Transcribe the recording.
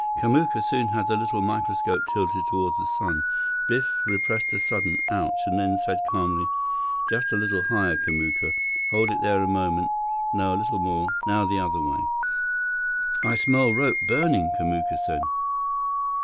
Kamuka soon had the little microscope tilted toward the sun. Biff repressed a sudden "Ouch!" and then said calmly, "Just a little higher, Kamuka. Hold it there a moment. No, a little more. Now, the other way—" "I smell rope burning!" Kamuka said.